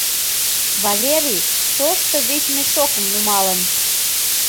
Валерий тошто вещмешокым нумалын.